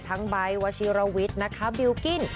ทั้งใบล์ดวัชิรวิทบิลกิ้น